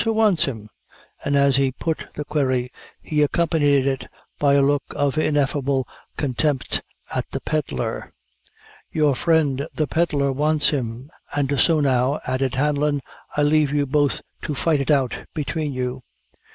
Who wants him?" and as he put the query he accompanied it by a look of ineffable contempt at the pedlar. "Your friend, the pedlar, wants him; and so now," added Hanlon, "I leave you both to fight it out between you."